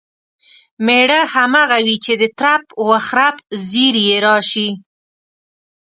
مېړه همغه وي چې د ترپ و خرپ زیري یې راشي.